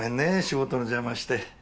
仕事の邪魔して。